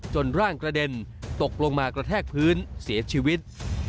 ร่างกระเด็นตกลงมากระแทกพื้นเสียชีวิต